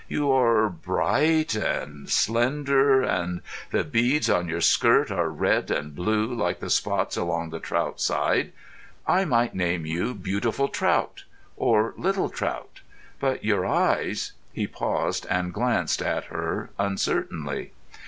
"You are bright—and slender—and the beads on your skirt are red and blue like the spots along the trout's sides. I might name you Beautiful Trout, or Little Trout—but your eyes——" He paused and glanced at her uncertainly.